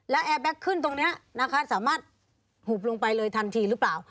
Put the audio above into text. แล้วแอร์แก๊กขึ้นตรงนี้นะคะสามารถหุบลงไปเลยทันทีหรือเปล่า